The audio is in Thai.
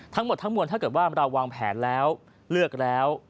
ทั้งหมดทั้งมวลถ้าเกิดว่าเราวางแผนแล้วเลือกแล้ว